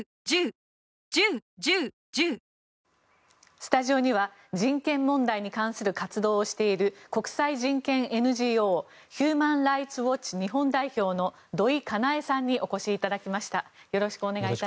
スタジオには人権問題に関する活動をしている国際人権ＮＧＯヒューマン・ライツ・ウォッチ日本代表の土井香苗さんにお越しいただきました。